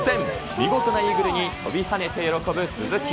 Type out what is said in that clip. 見事なイーグルに、跳びはねて喜ぶ鈴木。